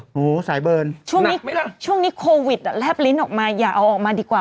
โถโถหูสายเบิร์นช่วงนี้โควิดเนี่ยแรบลิ้นออกมาอยากเอาออกมาดีกว่า